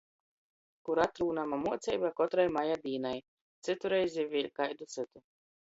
Kur atrūnama muoceiba kotrai maja dīnai, cytu reizi vēļ kaidu cytu.